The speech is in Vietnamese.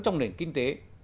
trong nền kinh tế